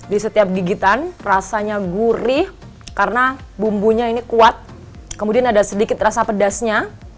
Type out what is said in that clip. di setiap gigitan rasanya gurih karena bumbunya ini kuat kemudian ada sedikit rasa pedasnya